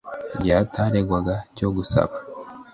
Igihe ntarengwa cyo gusaba